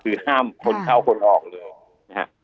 คือห้ามคนเข้าคนออกเลยนะฮะ